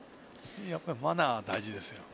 やっぱりマナーは大事ですよ。